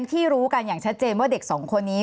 ที่รู้กันอย่างชัดเจนว่าเด็กสองคนนี้